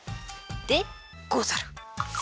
でござる。